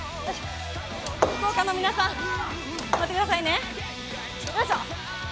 福岡の皆さん、待ってくださいね。